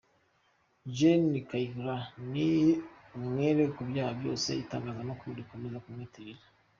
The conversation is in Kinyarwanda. Gen. Kayihura ni umwere ku byaha byose itangazamakuru rikomeza kumwitirira.”